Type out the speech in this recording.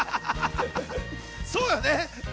そうだよね。